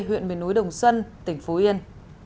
huyện bình núi đồng xuân tỉnh phú yên